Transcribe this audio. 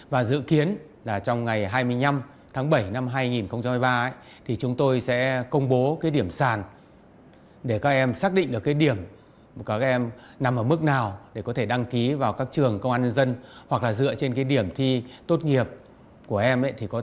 và dự kiến là trong ngày hai mươi năm tháng bảy năm hai nghìn hai mươi ba thì chúng tôi sẽ công bố cái điểm sàn để các em xác định được cái điểm các em nằm ở mức nào để có thể đăng ký vào các trường công an dân dân hoặc là dựa trên cái điểm thi tốt nghiệp của em thì có thể đăng ký vào các trường đại học mà các em mong muốn tham gia học tập